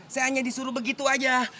saya hanya disuruh begitu aja